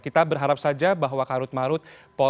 kita berharap saja bahwa karut marut